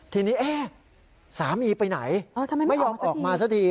ทีนี้สามีไปไหนไม่ยอมออกมาสักที